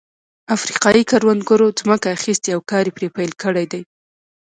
افریقايي کروندګرو ځمکه اخیستې او کار یې پرې پیل کړی دی.